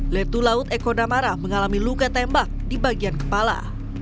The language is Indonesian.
letu laut eko damara mengalami luka tembak di bagian kepala